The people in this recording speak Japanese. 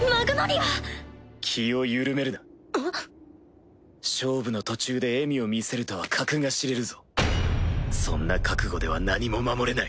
ア？勝負の途中で笑みを見せるとは格が知れるぞそんな覚悟では何も守れない。